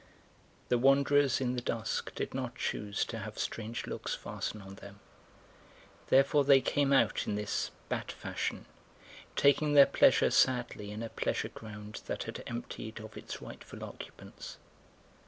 The wanderers in the dusk did not choose to have strange looks fasten on them, therefore they came out in this bat fashion, taking their pleasure sadly in a pleasure ground that had emptied of its rightful occupants.